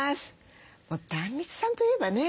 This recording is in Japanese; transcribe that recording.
もう壇蜜さんといえばね